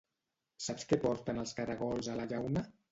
Saps què porten els caragols a la llauna?